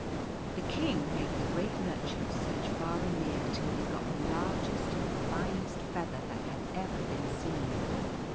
The King made the great merchants search far and near till they got the largest and finest feather that had ever been seen.